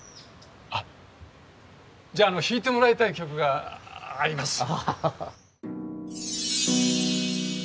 あっじゃあ弾いてもらいたい曲があります。